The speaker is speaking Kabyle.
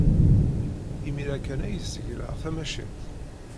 Imir-a kan ay zegleɣ tamacint.